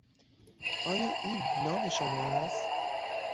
آیا این نام شما است؟